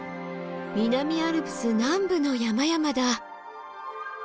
南アルプス南部の山々だ！